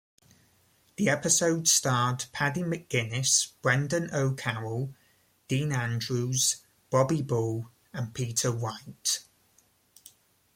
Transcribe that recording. The episode starred Paddy McGuinness, Brendan O'Carroll, Dean Andrews, Bobby Ball and Peter Wight.